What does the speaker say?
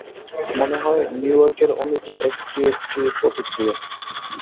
মনে হয়, নিউ ইয়র্কের অনিদ্রার এটি একটি প্রতিক্রিয়া।